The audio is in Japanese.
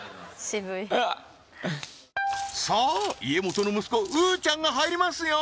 渋いさあ家元の息子うーちゃんが入りますよ